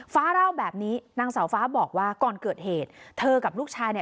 ฟ้าเล่าแบบนี้นางสาวฟ้าบอกว่าก่อนเกิดเหตุเธอกับลูกชายเนี่ย